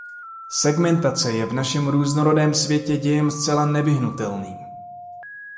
Segmentace je v našem různorodém světě dějem zcela nevyhnutelným.